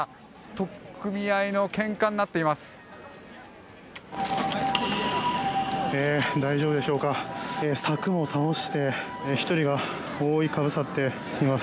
取っ組み合いのけんかになっています。